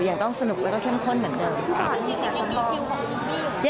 อย่างต้องสนุกแล้วก็เข้มข้นเหมือนเดิม